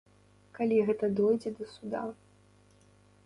Калі гэта дойдзе да суда.